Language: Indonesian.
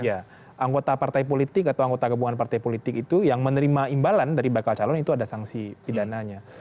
ya anggota partai politik atau anggota gabungan partai politik itu yang menerima imbalan dari bakal calon itu ada sanksi pidananya